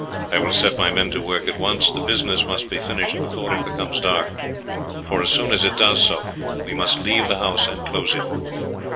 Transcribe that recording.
I will set my men to work at once; the business must be finished before it becomes dark, for as soon as it does so we must leave the house and close it."